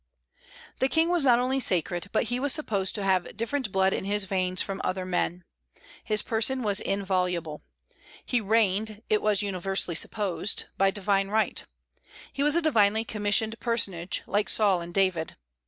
The King was not only sacred, but he was supposed to have different blood in his veins from other men. His person was inviolable. He reigned, it was universally supposed, by divine right. He was a divinely commissioned personage, like Saul and David.